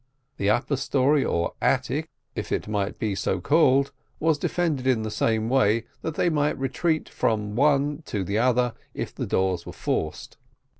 The upper story, or attic, if it might be so called, was defended in the same way, that they might retreat from one to the other if the doors were forced.